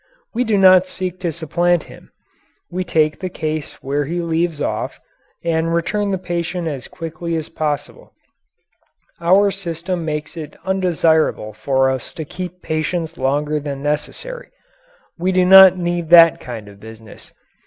We do not seek to supplant him. We take the case where he leaves off, and return the patient as quickly as possible. Our system makes it undesirable for us to keep patients longer than necessary we do not need that kind of business.